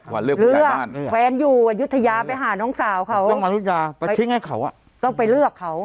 แฟนอยู่ยุธยาไปหาน้องสาวเขาต้องไปเลือกเขา